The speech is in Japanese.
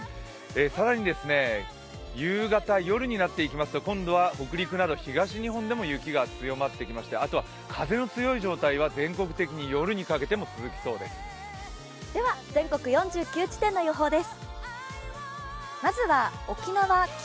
更に、夕方、夜になっていきますと今度は北陸など、東日本でも雪が強まってきましてあとは風の強い状態は全国的に夜にかけても続きそうです。